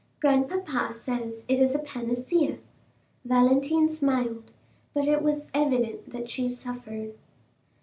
Grandpapa says it is a panacea." Valentine smiled, but it was evident that she suffered.